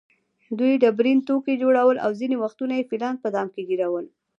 دوی ډبرین توکي جوړول او ځینې وختونه یې فیلان په دام کې ګېرول.